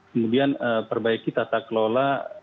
kemudian perbaiki tata kelola